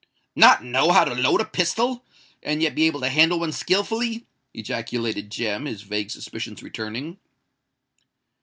"Not know how to load a pistol—and yet be able to handle one skilfully!" ejaculated Jem, his vague suspicions returning.